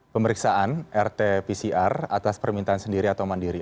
pemeriksaan rt pcr atas permintaan sendiri atau mandiri